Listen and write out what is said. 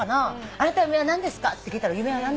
「あなたの夢は何ですか？」って聞いたの。